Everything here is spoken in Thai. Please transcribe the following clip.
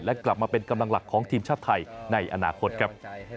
และกลับมาเป็นกำลังหลักของทีมชาติไทยในอนาคตครับ